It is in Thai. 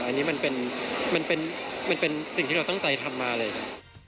อันนี้มันเป็นสิ่งที่เราตั้งใจทำมาเลยครับ